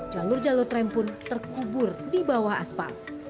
jalur jalur rem pun terkubur di bawah aspal